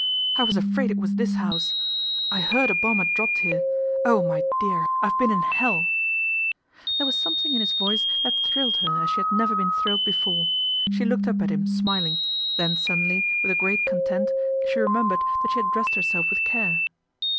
" I was afraid it was this house. I heard a bomb had dropped I here. Oh, my dear ! I've been in hell !" There was something in his voice that thrilled I her as she had never been thrilled before. She looked up at him smiling, then suddenly with a great content she remembered that she had I dressed herself with care.